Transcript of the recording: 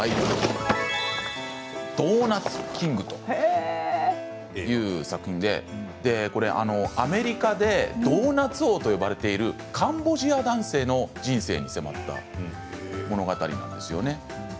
「ドーナツキング」という作品でアメリカでドーナツ王と呼ばれているカンボジア人男性の人生に迫った物語なんですよね。